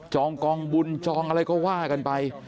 กองบุญจองอะไรก็ว่ากันไป